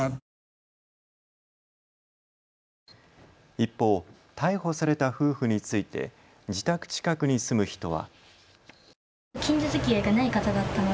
一方、逮捕された夫婦について自宅近くに住む人は。